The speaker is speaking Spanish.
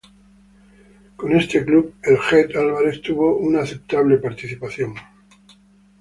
Con este Club, el 'Jet' Álvarez tuvo una aceptable participación.